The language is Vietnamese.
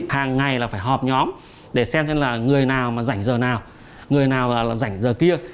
hàng ngày là phải họp nhóm để xem xem là người nào mà rảnh giờ nào người nào rảnh giờ kia